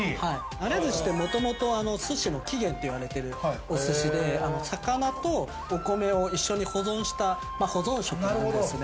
なれずしってもともとすしの起源っていわれてるおすしで魚とお米を一緒に保存した保存食なんですね。